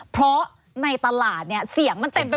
เพราะในตลาดนี่เสียงมันเต็มไปหมดเลยนะ